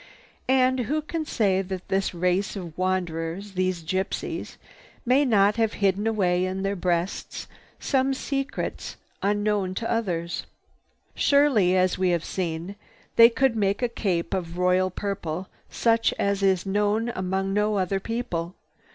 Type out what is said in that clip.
And who can say that this race of wanderers, these gypsies, may not have hidden away in their breasts some secrets unknown to others? Surely, as we have seen, they could make a cape of royal purple such as is known among no other people.